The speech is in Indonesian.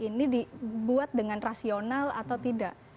ini dibuat dengan rasional atau tidak